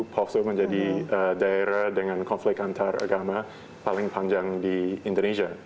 talkshow menjadi daerah dengan konflik antaragama paling panjang di indonesia